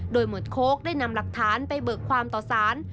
โดยหมวดโค้กได้นำหลักฐานไปเบิกความต่อสาร